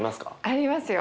ありますよ。